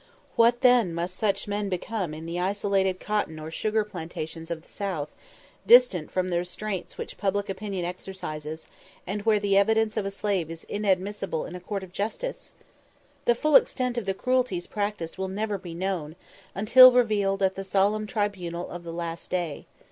What then must such men become in the isolated cotton or sugar plantations of the South, distant from the restraints which public opinion exercises, and where the evidence of a slave is inadmissible in a court of justice? The full extent of the cruelties practised will never be known, until revealed at the solemn tribunal of the last day.